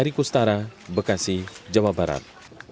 erick ustara bekasi jawa barat